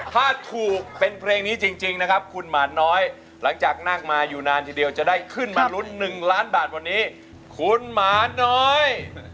ถ้าถูกเป็นเพลงนี้จริงนะครับคุณหมาน้อยหลังจากนั่งมาอยู่นานทีเดียวจะได้ขึ้นมาลุ้น๑ล้านบาทวันนี้คุณหมาน้อย